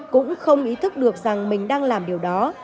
cũng không ý thức được rằng mình đang làm điều đó